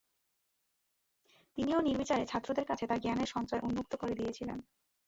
তিনিও নির্বিচারে ছাত্রদের কাছে তাঁর জ্ঞানের সঞ্চয় উন্মুক্ত করে দিয়েছিলেন।